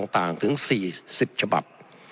ต่างถึง๔๐ฉบับ